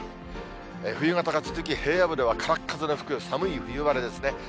冬型が続き、平野部ではからっ風が吹く、寒い冬晴れですね。